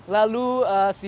lalu si pelanggan